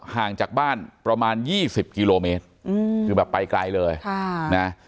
ห่างจากบ้านประมาณยี่สิบกิโลเมตรคือแบบไปไกลเลยค่ะนะ